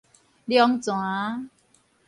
龍泉